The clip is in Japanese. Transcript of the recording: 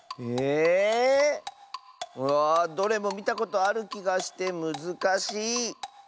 うわどれもみたことあるきがしてむずかし。